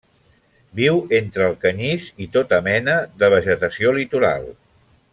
Viu entre el canyís i tota mena de vegetació litoral.